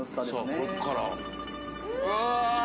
こっからうわ！